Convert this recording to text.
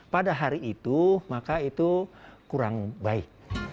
pada hari itu maka itu kurang baik